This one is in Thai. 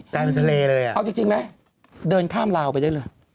กลางทะเลเลยอ่ะเอาจริงไหมเดินข้ามลาวไปได้เลย